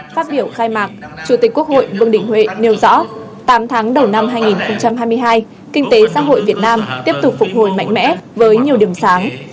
phát biểu khai mạc chủ tịch quốc hội vương đình huệ nêu rõ tám tháng đầu năm hai nghìn hai mươi hai kinh tế xã hội việt nam tiếp tục phục hồi mạnh mẽ với nhiều điểm sáng